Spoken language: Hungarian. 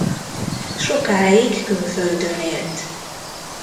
Sokáig külföldön élt.